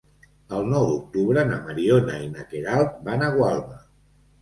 El nou d'octubre na Mariona i na Queralt van a Gualba.